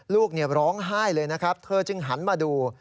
ลูกร้องไห้เลยนะครับเธอจึงหันมาดู